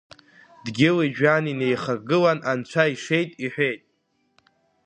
Дгьыли-жәҩани неихаргылан Анцәа ишеит, — иҳәеит.